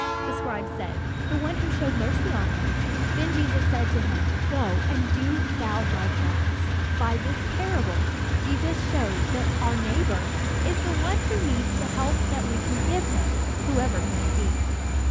The scribe said: "The one who showed mercy on him." Then Jesus said to him: "Go and do thou likewise." By this parable, Jesus showed that "our neighbor" is the one who needs the help that we can give him, whoever he may be.